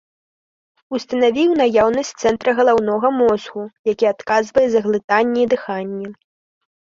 Устанавіў наяўнасць цэнтра галаўнога мозгу, які адказвае за глытанне і дыханне.